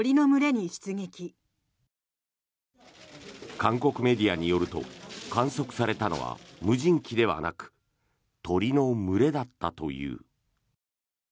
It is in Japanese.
韓国メディアによると観測されたのは無人機ではなく鳥の群れだったという。